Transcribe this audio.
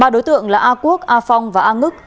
ba đối tượng là a quốc a phong và a ngức